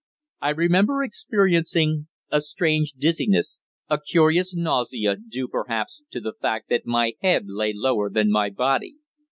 I remember experiencing a strange dizziness, a curious nausea, due, perhaps, to the fact that my head lay lower than my body.